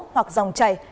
hoặc dòng chảy